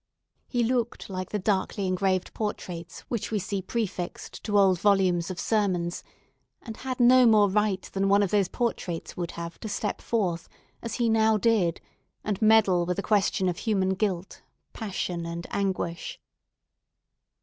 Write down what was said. He looked like the darkly engraved portraits which we see prefixed to old volumes of sermons, and had no more right than one of those portraits would have to step forth, as he now did, and meddle with a question of human guilt, passion, and anguish.